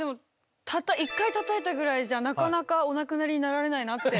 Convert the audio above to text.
たった一回たたいたぐらいじゃなかなかお亡くなりになられないなって。